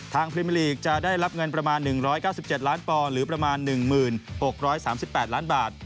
พรีเมอร์ลีกจะได้รับเงินประมาณ๑๙๗ล้านปอนหรือประมาณ๑๖๓๘ล้านบาท